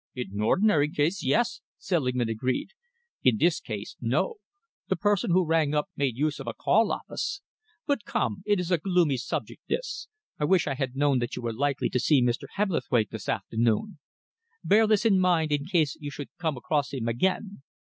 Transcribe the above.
"In an ordinary case, yes," Selingman agreed. "In this case, no! The person who rang up made use of a call office. But come, it is a gloomy subject, this. I wish I had known that you were likely to see Mr. Hebblethwaite this afternoon. Bear this in mind in case you should come across him again.